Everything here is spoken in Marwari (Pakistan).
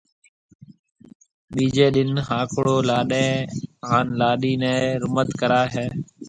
ٻيجيَ ڏِن ھاڪݪو لاڏَي ھان لاڏِي نيَ رمت ڪرائيَ ھيََََ